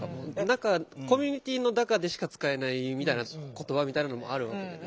コミュニティーの中でしか使えないみたいな言葉みたいなのもある。